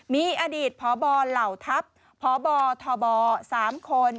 มีอดีตพบเหล่าทัพพบทบ๓คน